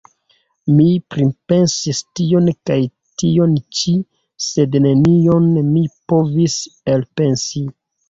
Mi pripensis tion kaj tion ĉi, sed nenion mi povis elpensi.